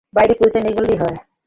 বাইরের পরিচয় নেই বললেই হয়।